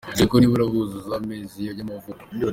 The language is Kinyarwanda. mbere y'uko nibura buzuza amezi y'amavuko